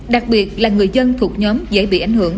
đặc biệt là người dân thuộc nhóm dễ bị ảnh hưởng